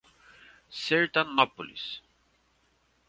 Sertanópolis